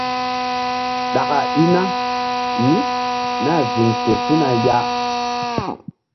Ɗaka i na mí nah ziŋ fe su̧na ya.